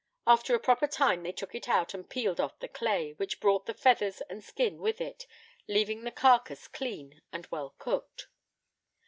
After a proper time they took it out, and peeled off the clay, which brought the feathers and skin with it, leaving the carcass clean and well cooked.